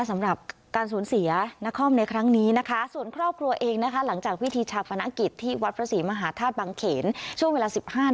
สำหรับการสูญเสียนาคอมในครั้งนี้นะคะ